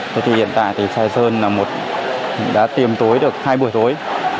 hiện tại thì sài sơn đã tiêm tối được hai buổi tối